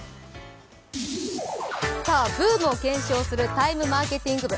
ブームを検証する「ＴＩＭＥマーケティング部」。